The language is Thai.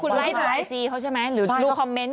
คุณรู้คอมเมนต์คนที่เขียน